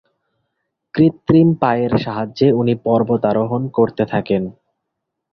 কৃত্রিম পায়ের সাহায্যে উনি পর্বতারোহণ করতে থাকেন।